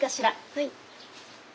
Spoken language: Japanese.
はい。